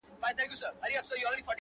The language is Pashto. خپل دې يمه گرانه خو پردی نه يمه _